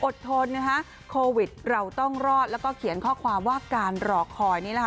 ทนนะคะโควิดเราต้องรอดแล้วก็เขียนข้อความว่าการรอคอยนี่แหละค่ะ